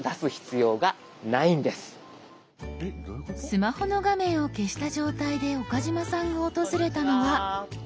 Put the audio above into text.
スマホの画面を消した状態で岡嶋さんが訪れたのは。